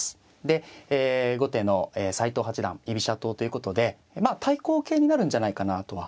で後手の斎藤八段居飛車党ということでまあ対抗型になるんじゃないかなとは思うんですよね。